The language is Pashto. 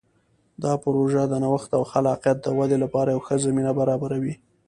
دا پروژه د نوښت او خلاقیت د ودې لپاره یوه ښه زمینه برابروي.